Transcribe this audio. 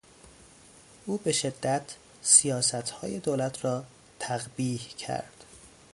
او به شدت سیاستهای دولت را تقبیح کرد.